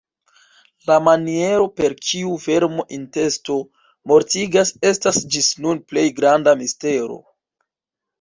La maniero, per kiu "vermo-intesto" mortigas, estas ĝis nun plej granda mistero.